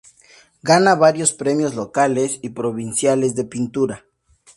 Gana varios premios locales y provinciales de pintura.